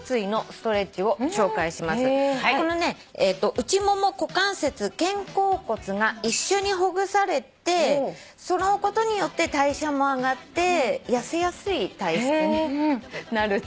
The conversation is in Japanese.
内もも股関節肩甲骨が一緒にほぐされてそのことによって代謝も上がって痩せやすい体質になるってハハハ。